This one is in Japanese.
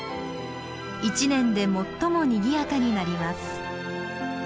１年で最もにぎやかになります。